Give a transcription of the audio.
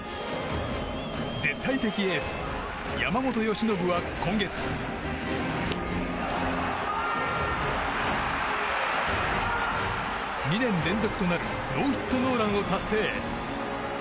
絶対的エース、山本由伸は今月２年連続となるノーヒットノーランを達成。